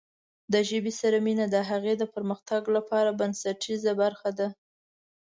د ژبې سره مینه د هغې پرمختګ لپاره بنسټیزه برخه ده.